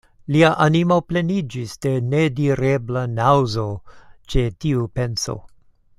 Lia animo pleniĝis de nedirebla naŭzo ĉe tiu penso.